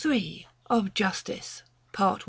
OF JUSTICE. PART I.